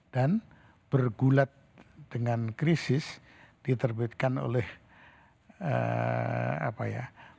dan bergulat dengan krisis diterbitkan oleh apa ya